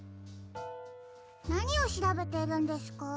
なにをしらべているんですか？